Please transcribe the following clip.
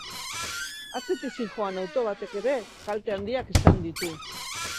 Atzetik zihoan auto batek ere kalte handiak izan ditu.